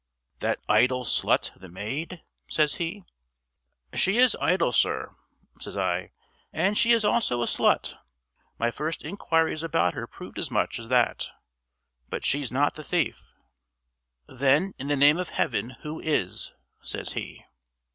"That idle slut, the maid?" says he. "She is idle, sir," says I, "and she is also a slut; my first inquiries about her proved as much as that. But she's not the thief." "Then, in the name of Heaven, who is?" says he.